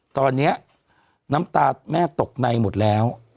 ตอนนี้น้ำตาแม่ตกในหมดแล้ว